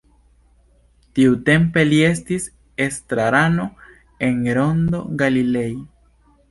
Tiutempe li estis estrarano en Rondo Galilei.